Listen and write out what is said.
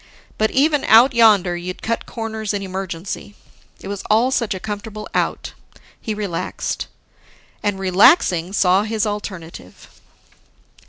But even Out Yonder, you'd cut corners in emergency. It was all such a comfortable Out, he relaxed. And, relaxing, saw his alternative.